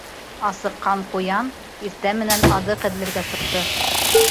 Асыҡҡан Ҡуян иртә менән аҙыҡ эҙләргә сыҡты.